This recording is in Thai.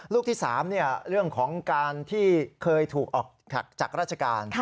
ลูกที่๓เรื่องของการที่เคยถูกออกจากราชการ